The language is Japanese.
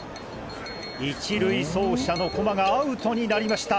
１塁走者の駒がアウトになりました！